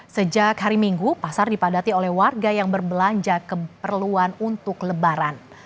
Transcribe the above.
sejak hari minggu pasar dipadati oleh warga yang berbelanja keperluan untuk lebaran